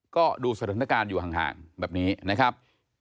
ก็ดูสถานการณ์อยู่ห่างแบบนี้นะครับ